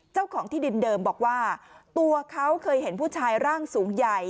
เจ้าของที่ดินเดิมบอกว่าตัวเขาเคยเห็นผู้ชายร่างสูงใหญ่